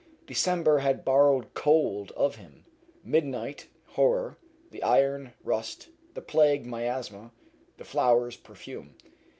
December had borrowed cold of him; midnight, horror; the iron, rust; the plague, miasma; the flowers, perfume.